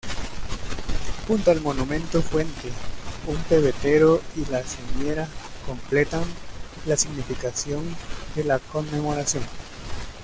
Junto al monumento-fuente, un pebetero y la señera completan la significación de la conmemoración.